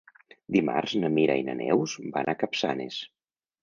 Dimarts na Mira i na Neus van a Capçanes.